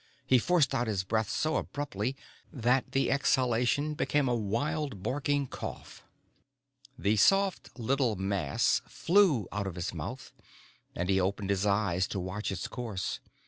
He forced out his breath so abruptly that the exhalation became a wild, barking cough. The soft little mass flew out of his mouth, and he opened his eyes to watch its course.